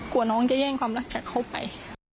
กลัวน้องจะแย่งความรักจากเขาไป